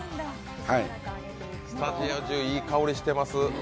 スタジオ中、いい香りがしてます。